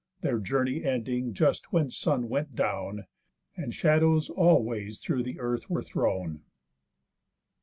Their journey ending just when sun went down, And shadows all ways through the earth were thrown.